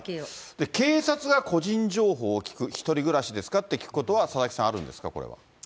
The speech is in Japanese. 警察が個人情報を聞く、１人暮らしですかって聞くことは、佐々木さん、あるんですか？